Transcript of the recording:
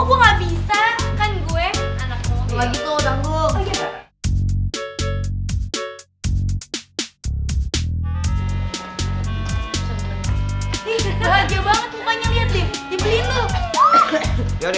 baja banget mukanya liat deh